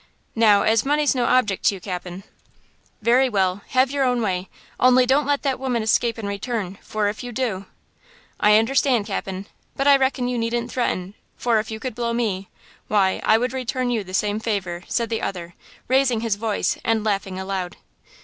Now, as money's no object to you, Cap'n–" "'Very well; have your own way; only don't let that woman escape and return, for if you do–' "'I understand, Cap'n; but I reckon you needn't threaten, for if you could blow me–why, I would return you the same favor,' said the other, raising his voice and laughing aloud.